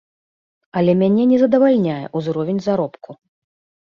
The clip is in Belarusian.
Але мяне не задавальняе ўзровень заробку.